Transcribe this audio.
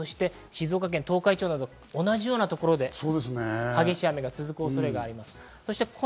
静岡県、東海地方など同じようなところで激しい雨が続く恐れがあります。